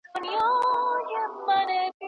ګڼ شمير علمي څېړنو ښوولې ده، چي د